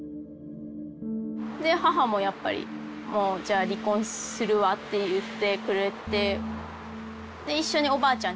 母もやっぱりもうじゃあ離婚するわって言ってくれて一緒におばあちゃん